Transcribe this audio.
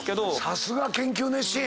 さすが研究熱心！